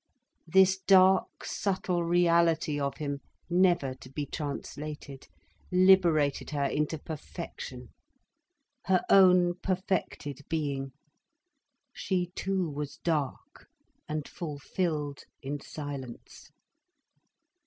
This dark, subtle reality of him, never to be translated, liberated her into perfection, her own perfected being. She too was dark and fulfilled in silence.